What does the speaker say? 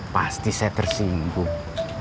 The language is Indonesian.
pasti saya tersinggung